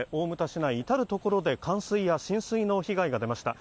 市内至る所で冠水や浸水の被害が出ました。